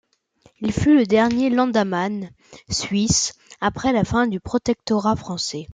Il fut le dernier landamann suisse après la fin du protectorat français.